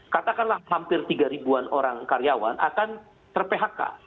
katakanlah hampir tiga ribuan orang karyawan akan ter phk